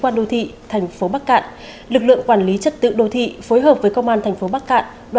nữ y tá bác minh du